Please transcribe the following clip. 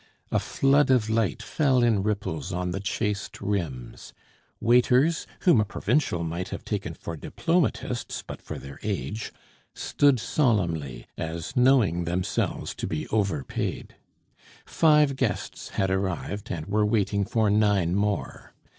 A flood of light fell in ripples on the chased rims; waiters, whom a provincial might have taken for diplomatists but for their age, stood solemnly, as knowing themselves to be overpaid. Five guests had arrived, and were waiting for nine more.